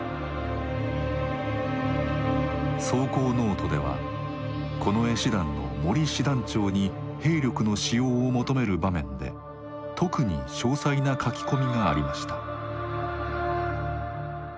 草稿ノートでは近衛師団の森師団長に兵力の使用を求める場面で特に詳細な書き込みがありました。